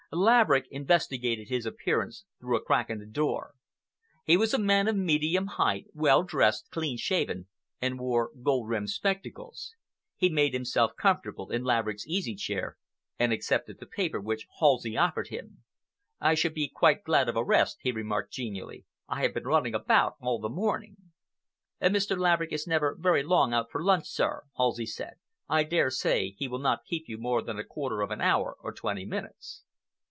Laverick investigated his appearance through a crack in the door. He was a man of medium height, well dressed, clean shaven, and wore gold rimmed spectacles. He made himself comfortable in Laverick's easy chair, and accepted the paper which Halsey offered him. "I shall be quite glad of a rest," he remarked genially. "I have been running about all the morning." "Mr. Laverick is never very long out for lunch, sir," Halsey said. "I daresay he will not keep you more than a quarter of an hour or twenty minutes."